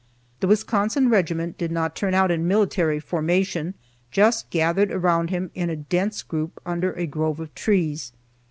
The Wisconsin regiment did not turn out in military formation, just gathered around him in a dense group under a grove of trees.